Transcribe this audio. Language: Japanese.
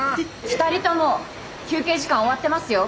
二人とも休憩時間終わってますよ。